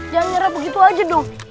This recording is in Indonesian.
jangan nyerep begitu aja dong